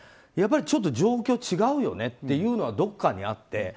やっぱりちょっと状況違うよねっていうのはどこかにあって。